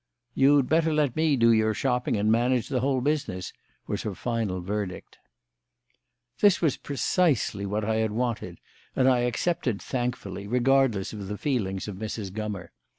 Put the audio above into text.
"You'd better let me do your shopping and manage the whole business," was her final verdict. This was precisely what I had wanted, and I accepted thankfully, regardless of the feelings of Mrs. Gummer.